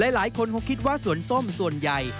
หลายคนคงคิดว่าสวนส้มส่วนใหญ่